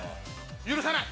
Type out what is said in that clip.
許さない！